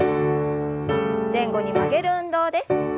前後に曲げる運動です。